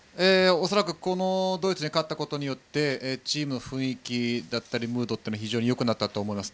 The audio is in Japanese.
恐らく、ドイツに勝ったことによってチームの雰囲気やムードはよくなったと思います。